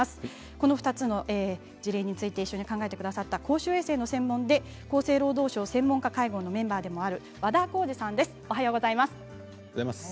この２つの事例について一緒に考えてくださった公衆衛生の専門で厚生労働省専門家会合のメンバーでもある和田耕治さんです。